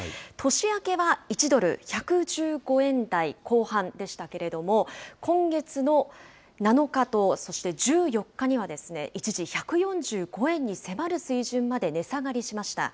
年明けは１ドル１１５円台後半でしたけれども、今月の７日と、そして１４日には、一時、１４５円に迫る水準まで値下がりしました。